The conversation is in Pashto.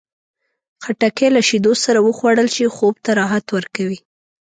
خټکی له شیدو سره وخوړل شي، خوب ته راحت ورکوي.